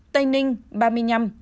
tây ninh ba mươi năm